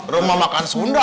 rumah makan sunda